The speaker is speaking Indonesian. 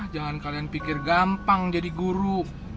jangan kalian pikir gampang jadi guru